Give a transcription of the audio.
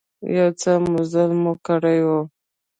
يو څه مزل مو کړى و.